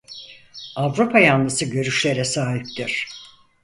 Avrupa yanlısı görüşlere sahiptir.